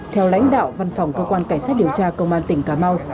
theo lãnh đạo văn phòng cơ quan cảnh sát điều tra công an tỉnh cà mau